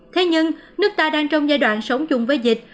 thế nhưng nước ta đang trong giai đoạn sống chung với dịch